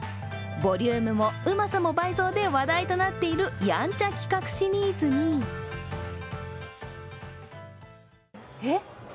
ボリュームもうまさも倍増で話題となっているやんちゃ企画シリーズにえ？